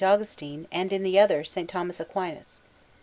Augustine, and in the other, S. Thomas Aquinas.